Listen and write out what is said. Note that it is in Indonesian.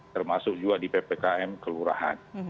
termasuk juga di ppkm kelurahan